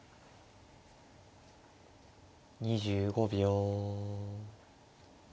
２５秒。